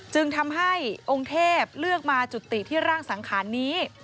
จึงทำให้องค์เทพเลือกมาจุติที่ร่างสังขารนี้